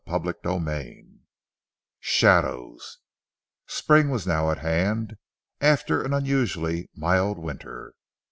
CHAPTER XX SHADOWS Spring was now at hand after an unusually mild winter.